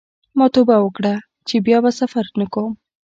ما توبه وکړه چې بیا به سفر نه کوم.